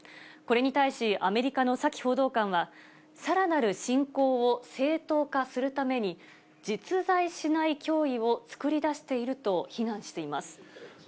これに対しアメリカのサキ報道官は、さらなる侵攻を正当化するために、実在しない脅威を作り出していると非難しています。